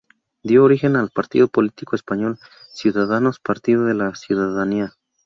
Dio origen al partido político español Ciudadanos-Partido de la Ciudadanía.